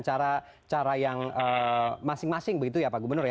cara cara yang masing masing begitu ya pak gubernur ya